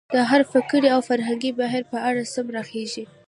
د هر فکري او فرهنګي بهیر په اړه سم راخېژي.